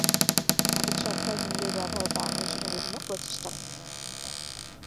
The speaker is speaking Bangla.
ভারত সরকার হিন্দির ব্যবহার বাড়ানোর জন্য বিভিন্ন প্রচেষ্টা করা হচ্ছে।